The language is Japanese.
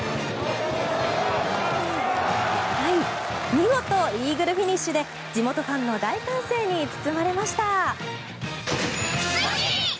見事、イーグルフィニッシュで地元ファンの大歓声に包まれました。